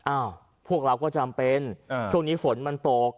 พวกเราก็จำเป็นช่วงนี้ฝนมันตก